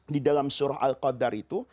di dalam surah al qadar itu